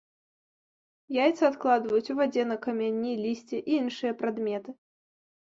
Яйцы адкладваюць у вадзе на камяні, лісце і іншыя прадметы.